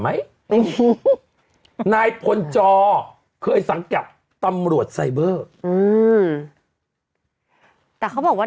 ไหมไม่มีนายพลจอเคยสังกัดตำรวจไซเบอร์อืมแต่เขาบอกว่า